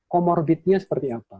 komorbitnya seperti apa